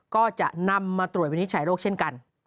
ก็จะนำมาตรวจวินิจฉัยโรคเช่นกัน